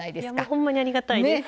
ほんまにありがたいです。ね！